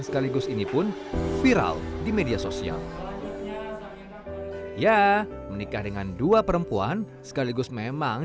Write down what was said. sekaligus ini pun viral di media sosial ya menikah dengan dua perempuan sekaligus memang